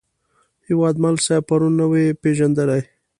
هیوادمل صاحب پرون نه وې پېژندلی.